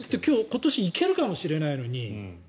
今年行けるかもしれないのに。